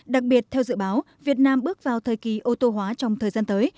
đặc biệt theo dự báo việt nam bước vào thời kỳ ô tô hóa trong thời gian tới